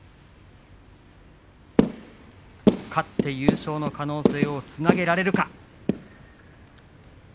勝って優勝の可能性をつなげられるか。